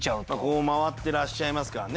こう回ってらっしゃいますからね。